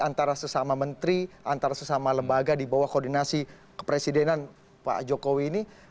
antara sesama menteri antara sesama lembaga di bawah koordinasi kepresidenan pak jokowi ini